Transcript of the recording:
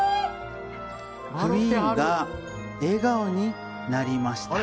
クイーンが笑顔になりました。